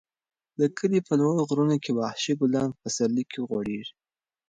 د کلي په لوړو غرونو کې وحشي ګلان په پسرلي کې غوړېږي.